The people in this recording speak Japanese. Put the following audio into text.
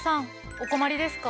お困りですか？